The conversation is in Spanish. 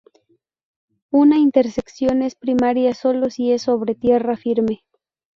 Una intersección es primaria sólo si es sobre tierra firme.